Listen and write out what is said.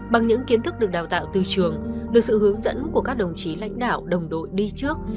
bằng những kiến thức được đào tạo từ trường được sự hướng dẫn của các đồng chí lãnh đạo đồng đội đi trước